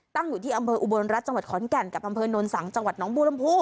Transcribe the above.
ตั้งอยู่ที่อำเภออุบลรัฐจังหวัดขอนแก่นกับอำเภอโนนสังจังหวัดน้องบูรมภู